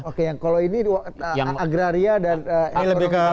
oke yang kalau ini agraria dan orang orang yang akomodir